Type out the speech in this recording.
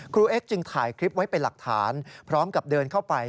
เอ็กซจึงถ่ายคลิปไว้เป็นหลักฐานพร้อมกับเดินเข้าไป